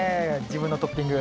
自分のトッピング。